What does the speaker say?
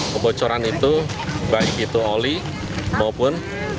kebocoran itu baik itu oli maupun